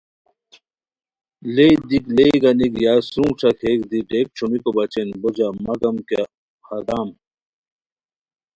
لیے دیک لیے گانیک یا سرونگ ݯاکیک دی ڈیک ݯھومیکو بچین بو جم مگم کیہ ہدام